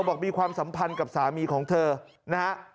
มีความสัมพันธ์กับสามีของเธอนะฮะ